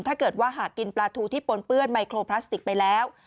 ถ้าเกิดว่าหากกินปลาทูที่ปนเปื้อนไมโครพลาสติกไปแล้ว